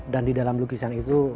di dalam lukisan itu